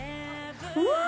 うわ！